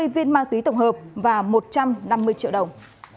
một trăm bốn mươi viên ma túy tổng hợp và một trăm năm mươi triệu đồng